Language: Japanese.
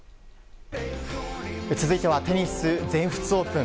続いてはテニス全仏オープン。